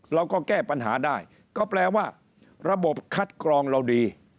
เราก็แก้ปัญหาได้ก็แปลว่าระบบคัดกรองเราดี